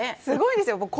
すごいですよ。